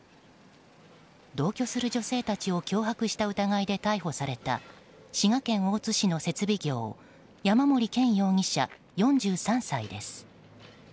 同居する女性たちを脅迫した疑いで逮捕された滋賀県大津市の設備業山森健容疑者、４３歳です。